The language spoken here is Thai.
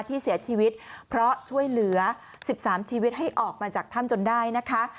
ที่เสียชีวิตเพราะช่วยเหลือ๑๓ชีวิตให้ออกมาจากถ้ำจนได้นะคะ